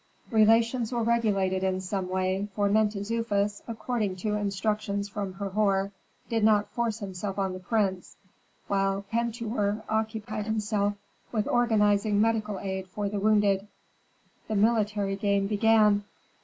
Relations were regulated in some way, for Mentezufis, according to instructions from Herhor, did not force himself on the prince, while Pentuer occupied himself with organizing medical aid for the wounded. The military game began.